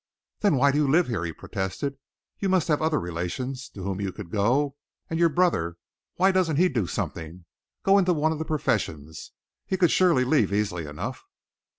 "Then why do you live here?" he protested. "You must have other relations to whom you could go. And your brother why doesn't he do something go into one of the professions? He could surely leave easily enough?"